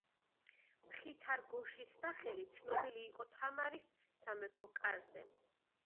მხითარ გოშის სახელი ცნობილი იყო თამარის სამეფო კარზე.